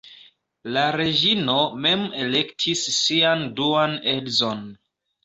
La reĝino mem elektis sian duan edzon.